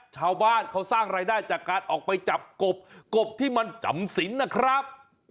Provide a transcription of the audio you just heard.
ชาวบ้านเขาสร้างรายได้จากการออกไปจับกบกบที่มันจำสินนะครับ